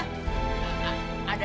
ihh bawa barangnya